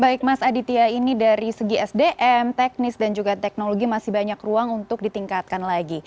baik mas aditya ini dari segi sdm teknis dan juga teknologi masih banyak ruang untuk ditingkatkan lagi